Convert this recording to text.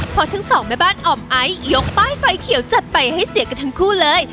เพราะทั้งสองแม่บ้านอ่อมไอซ์ยกป้ายไฟเขียวจัดไปให้เสียกันทั้งคู่เลย